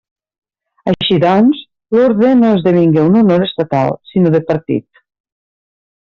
Així doncs, l'orde no esdevingué un honor estatal, sinó de partit.